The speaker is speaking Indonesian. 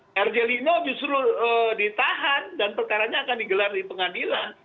karjelino justru ditahan dan perkaranya akan digelar di pengadilan